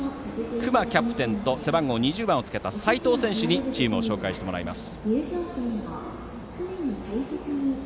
隈キャプテンと背番号２０の齊藤選手にチームを紹介してもらいます。